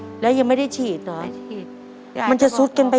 อเรนนี่ต้องมีวัคซีนตัวหนึ่งเพื่อที่จะช่วยดูแลพวกม้ามและก็ระบบในร่างกาย